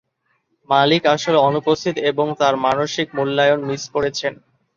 মালিক আসলে অনুপস্থিত এবং তার মানসিক মূল্যায়ন মিস করেছেন।